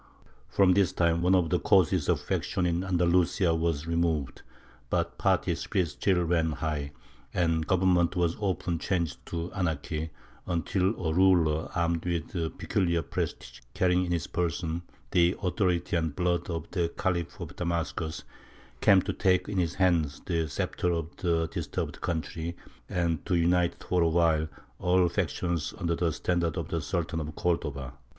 From this time one of the causes of faction in Andalusia was removed, but party spirit still ran high, and government was often changed to anarchy, until a ruler armed with peculiar prestige, carrying in his person the authority and blood of the Khalifs of Damascus, came to take into his hands the sceptre of the disturbed country and to unite for awhile all factions under the standard of the Sultan of Cordova.